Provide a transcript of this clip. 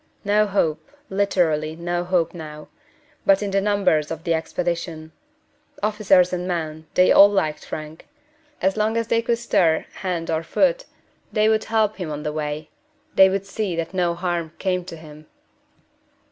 No hope literally, no hope now, but in the numbers of the expedition. Officers and men, they all liked Frank. As long as they could stir hand or foot, they would help him on the way they would see that no harm came to him.